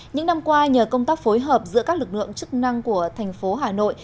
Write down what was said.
những năm qua nhờ công tác phối hợp giữa các lực lượng chức năng của tp hà nội